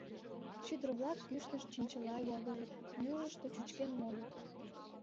Шӱдыр-влак кӱшнӧ чинчыла йылгыжыт, южышто чӱчкен модыт.